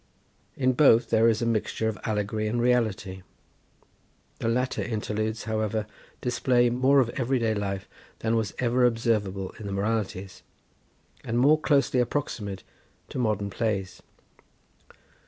In both there is a mixture of allegory and reality. The latter interludes, however, display more of everyday life than was ever observable in the moralities, and more closely approximate to modern plays.